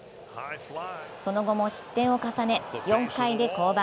その後も失点を重ね、４回で降板。